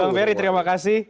pak ferry terima kasih